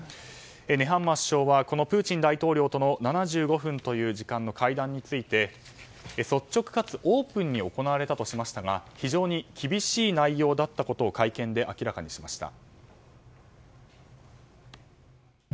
ネハンマー首相はプーチン大統領との７５分という時間の会談について、率直かつオープンに行われたとしましたが非常に厳しい内容だったと会見で明らかにしました。